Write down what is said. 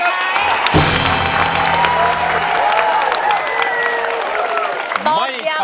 ไม่ใช้ครับไม่ใช้ครับ